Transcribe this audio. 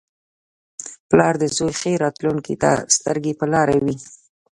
• پلار د زوی ښې راتلونکې ته سترګې په لاره وي.